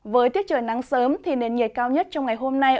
với tiết trời nắng sớm thì nền nhiệt cao nhất trong ngày hôm nay